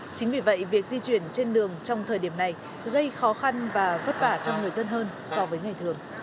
chính vì vậy việc di chuyển trên đường trong thời điểm này gây khó khăn và vất vả cho người dân hơn so với ngày thường